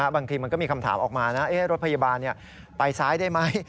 บางทีมันก็มีคำถามออกมานะรถพยาบาลไปซ้ายได้ไหม